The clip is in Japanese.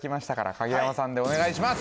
影山さんでお願いします